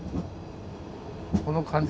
この感じ